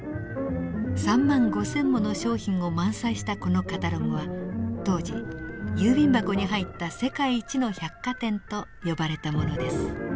３万５，０００もの商品を満載したこのカタログは当時郵便箱に入った世界一の百貨店と呼ばれたものです。